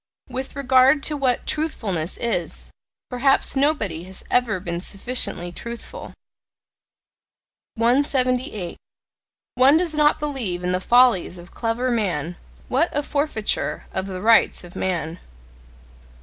With regard to what "truthfulness" is, perhaps nobody has ever been sufficiently truthful. 178. One does not believe in the follies of clever men: what a forfeiture of the rights of man!